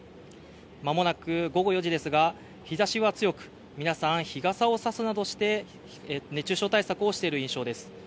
間もなく、午後４時ですが日ざしは強く皆さん、日傘を差すなどして熱中症対策をしている印象です。